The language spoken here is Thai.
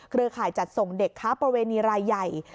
ข่ายจัดส่งเด็กค้าประเวณีรายใหญ่